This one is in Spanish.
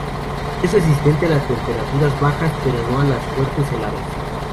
Es resistente a las temperaturas bajas pero no a las fuertes heladas.